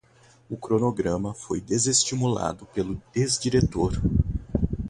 O cronograma foi desestimulado pelo ex-diretor